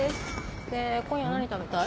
ねえ今夜何食べたい？